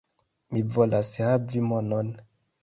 Mi volas havi monon.